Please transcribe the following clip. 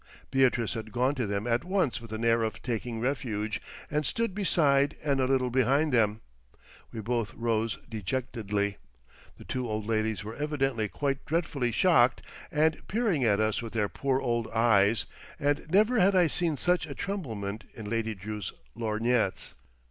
Beatrice had gone to them at once with an air of taking refuge, and stood beside and a little behind them. We both rose dejectedly. The two old ladies were evidently quite dreadfully shocked, and peering at us with their poor old eyes; and never had I seen such a tremblement in Lady Drew's lorgnettes.